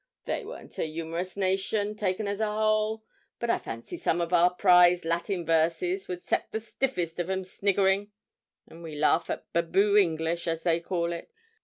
They weren't a yumorous nation, taken as a whole; but I fancy some of our prize Latin verses would set the stiffest of 'em sniggering. And we laugh at "Baboo English," as they call it!